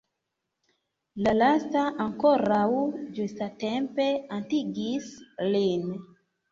La lasta ankoraŭ ĝustatempe atingis lin.